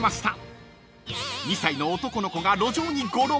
［２歳の男の子が路上にゴロン］